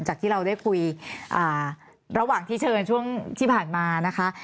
จากที่เราได้คุยระหว่างที่เชิญช่วงที่ผ่านมานะคะ